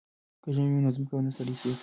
که ژمی وي نو ځمکه نه ستړې کیږي.